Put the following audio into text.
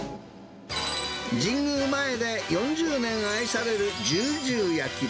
神宮前で４０年愛されるじゅうじゅう焼き。